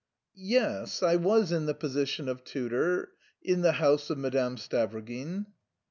"Yes, I was in the position... of tutor... in the house of Madame Stavrogin."